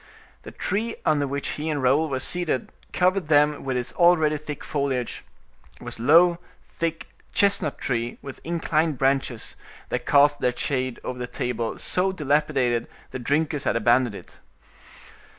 The tree under which he and Raoul were seated covered them with its already thick foliage; it was a low, thick chestnut tree, with inclined branches, that cast their shade over a table so dilapidated the drinkers had abandoned it.